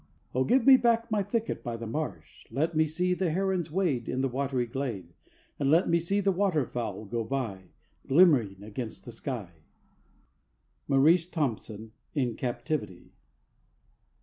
_) Oh, give me back my thicket by the marsh! Let me see the herons wade In the watery glade, And let me see the water fowl go by Glimmering against the sky. —Maurice Thompson, "In Captivity."